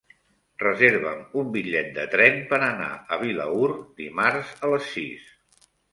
Reserva'm un bitllet de tren per anar a Vilaür dimarts a les sis.